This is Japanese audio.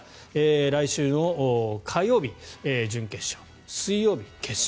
来週の火曜日、準決勝水曜日に決勝。